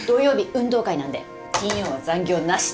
運動会なんで金曜は残業なしで。